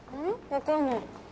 分かんない。